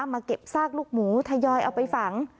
มาเก็บซากลูกหมูทยอยเอาไปฝัง